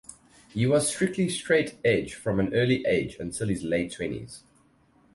He was strictly Straight Edge from an early age until his late twenties.